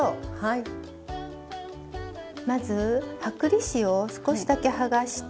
まず剥離紙を少しだけはがして。